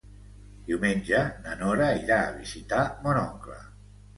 Diumenge na Nora irà a visitar mon oncle.